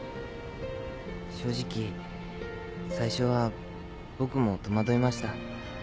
正直最初は僕も戸惑いました。